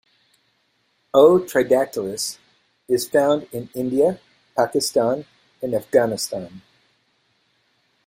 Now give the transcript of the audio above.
"O. tridactylus" is found in India, Pakistan, and Afghanistan.